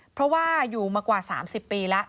เพราะว่าอยู่มากว่า๓๐ปีแล้ว